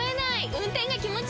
運転が気持ちいい！